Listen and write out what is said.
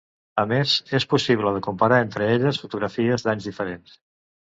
A més, és possible de comparar entre elles fotografies d’anys diferents.